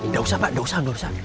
gak usah pak gak usah